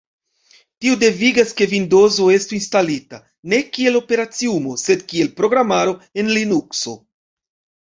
Tio devigas ke Vindozo estu instalita, ne kiel operaciumo, sed kiel programaro en Linukso.